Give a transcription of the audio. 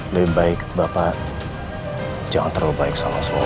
lebih baik bapak jangan terlalu baik sama semua